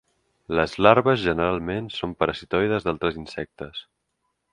Les larves generalment són parasitoides d'altres insectes.